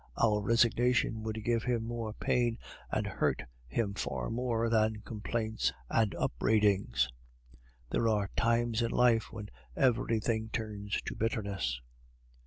Our resignation would give him more pain and hurt him far more than complaints and upbraidings. There are times in life when everything turns to bitterness."